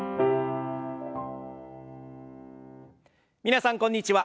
皆さんこんにちは。